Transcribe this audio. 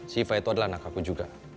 siva itu adalah anak aku juga